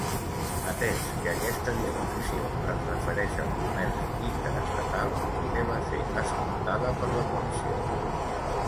Atès que aquesta disposició es refereix al comerç interestatal, primer va ser escoltada per la Comissió.